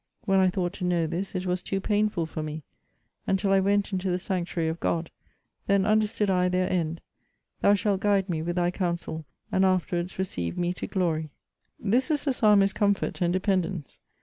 When I thought to know this, it was too painful for me. Until I went into the sanctuary of God; then understood I their end thou shalt guide me with thy counsel, and afterwards receive me to glory.' * Psalm lxxiii. This is the Psalmist's comfort and dependence.